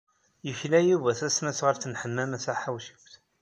Yekla Yuba tasnasɣalt n Ḥemmama Taḥawcint.